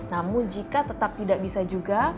namun jika tetap tidak bisa juga